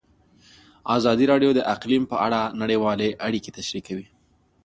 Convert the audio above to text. ازادي راډیو د اقلیم په اړه نړیوالې اړیکې تشریح کړي.